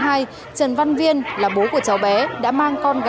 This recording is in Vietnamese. trần văn viên là bố của cháu bé đã mang con gái